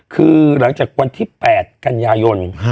คือหลังจากวันที่๘กันยายน